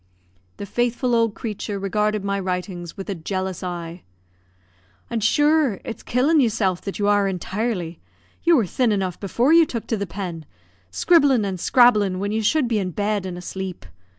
The faithful old creature regarded my writings with a jealous eye. "An', shure, it's killin' yerself that you are intirely. You were thin enough before you took to the pen; scribblin' an' scrabblin' when you should be in bed an' asleep.